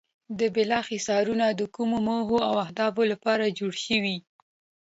بالا حصارونه د کومو موخو او هدفونو لپاره جوړ شوي.